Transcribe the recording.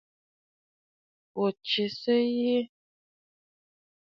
Bo ŋì’ìsǝ̀ yi.